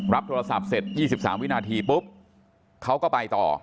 โทรศัพท์เสร็จ๒๓วินาทีปุ๊บเขาก็ไปต่อ